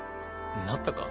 なったか？